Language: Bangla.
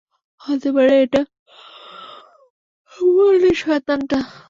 হতে পারে এটা বনের শয়তান টা।